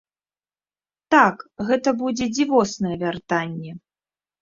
Так, гэта будзе дзівоснае вяртанне.